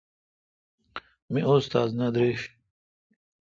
می استاد نہ درݭ ۔